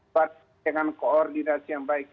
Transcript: dengan koordinasi yang baik